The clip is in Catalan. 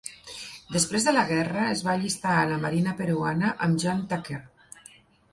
Després de la guerra, es va allistar a la marina peruana amb John Tucker.